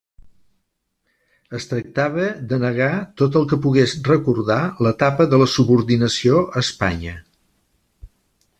Es tractava de negar tot el que pogués recordar l'etapa de la subordinació a Espanya.